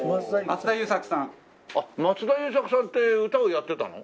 松田優作さんって歌をやってたの？